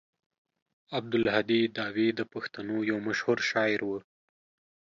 عبدالهادي داوي د پښتنو يو مشهور شاعر و.